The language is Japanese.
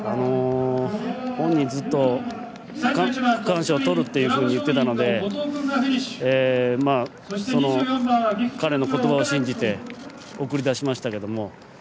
本人ずっと区間賞をとるって言ってたのでその彼のことばを信じて送り出しましたけども。